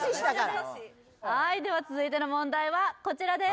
はいでは続いての問題はこちらです